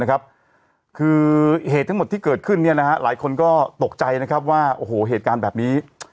คือเหตุทั้งหมดที่เกิดขึ้นหลายคนก็ตกใจนะครับว่าโอ้โหเหตุการณ์แบบนี้